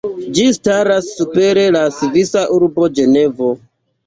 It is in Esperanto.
Ĝi staras super la svisa urbo Ĝenevo.